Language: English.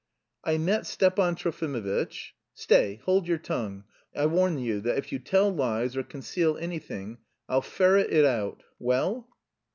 "I met Stepan Trofimovitch..." "Stay, hold your tongue! I warn you that if you tell lies or conceal anything, I'll ferret it out. Well?"